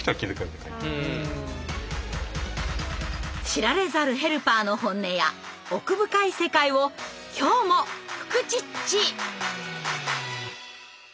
知られざるヘルパーの本音や奥深い世界を今日もフクチッチ！